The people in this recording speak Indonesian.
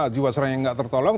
jiwasraya yang gak tertolong